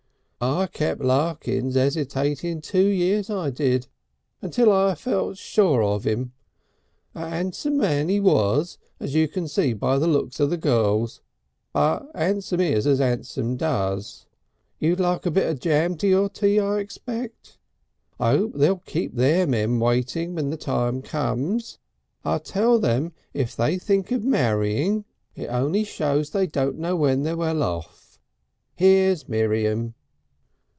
I kept Larkins 'esitating two years I did, until I felt sure of him. A 'ansom man 'e was as you can see by the looks of the girls, but 'ansom is as 'ansom does. You'd like a bit of jam to your tea, I expect? I 'ope they'll keep their men waiting when the time comes. I tell them if they think of marrying it only shows they don't know when they're well off. Here's Miriam!"